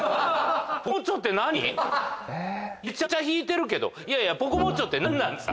いやめちゃくちゃ引いてるけどいやいやポコモッチョって何なんですか？